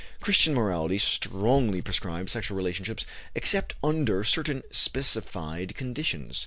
Christian morality strongly proscribed sexual relationships except under certain specified conditions.